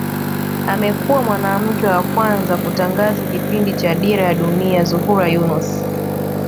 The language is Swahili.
Amekuwa mwanamke wa kwanza kutangaza kipindi cha Dira ya Dunia Zuhura Yunus